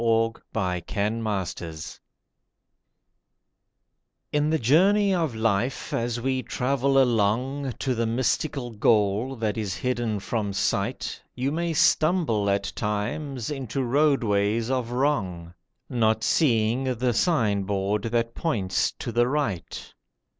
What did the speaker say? THE VALLEY OF FEAR IN the journey of life, as we travel along To the mystical goal that is hidden from sight, You may stumble at times into Roadways of Wrong, Not seeing the sign board that points to the right.